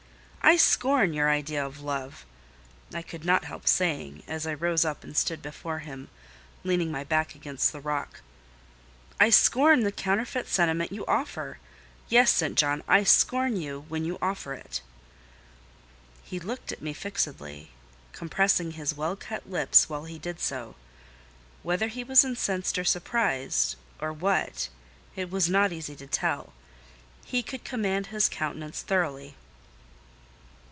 "I scorn your idea of love," I could not help saying, as I rose up and stood before him, leaning my back against the rock. "I scorn the counterfeit sentiment you offer: yes, St. John, and I scorn you when you offer it." He looked at me fixedly, compressing his well cut lips while he did so. Whether he was incensed or surprised, or what, it was not easy to tell: he could command his countenance thoroughly.